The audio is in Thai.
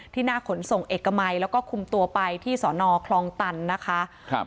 หน้าขนส่งเอกมัยแล้วก็คุมตัวไปที่สอนอคลองตันนะคะครับ